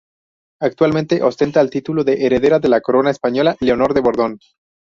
Actualmente ostenta el título la heredera de la Corona española, Leonor de Borbón.